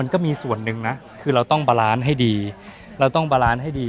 ก็มีส่วนหนึ่งนะคือเราต้องให้ดีเราต้องให้ดี